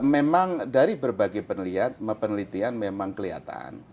memang dari berbagai penelitian memang kelihatan